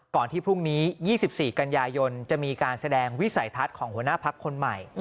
ที่พรุ่งนี้๒๔กันยายนจะมีการแสดงวิสัยทัศน์ของหัวหน้าพักคนใหม่